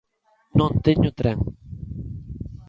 Non teño tren!